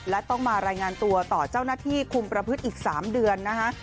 และต้องมารายงานตัวต่อเจ้าหน้าที่คุมประพฤติอีก๓เดือนนะคะ